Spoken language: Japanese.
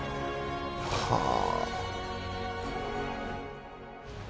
「はあ」